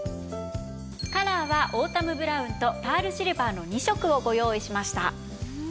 カラーはオータムブラウンとパールシルバーの２色をご用意しました。